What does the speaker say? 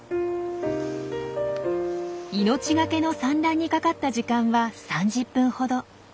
命がけの産卵にかかった時間は３０分ほど。